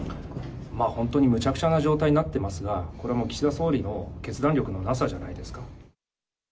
本当にむちゃくちゃな状態になってますが、これはもう、岸田総理の決断力のなさじゃないですか。